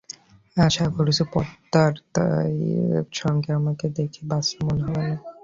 আশা করছি, পর্দায় তাঁর সঙ্গে আমাকে দেখে বাচ্চা মনে হবে না।